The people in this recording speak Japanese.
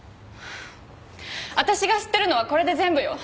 私が知ってるのはこれで全部よ。